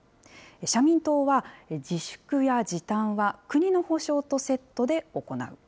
社民党は、自粛や時短は国の補償とセットで行う。